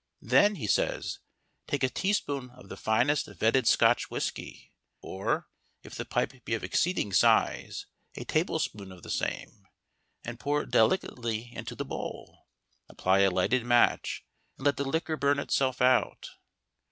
Then, he says, take a teaspoonful of the finest vatted Scotch whiskey (or, if the pipe be of exceeding size, a tablespoonful of the same) and pour it delicately into the bowl. Apply a lighted match, and let the liquor burn itself out.